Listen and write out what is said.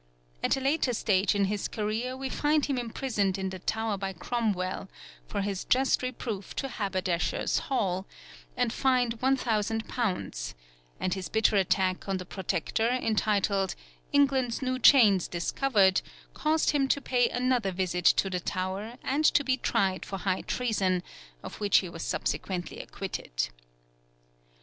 At a later stage in his career we find him imprisoned in the Tower by Cromwell, for his Just Reproof to Haberdashers' Hall, and fined £1,000; and his bitter attack on the Protector, entitled England's New Chains Discovered, caused him to pay another visit to the Tower and to be tried for high treason, of which he was subsequently acquitted.